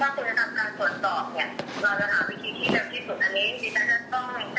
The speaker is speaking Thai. แล้วก็คุณจะประวัติศาสตร์ด้วยพอสวดสอบเสร็จแล้ว